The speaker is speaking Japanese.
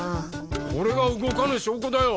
これが動かぬ証拠だよ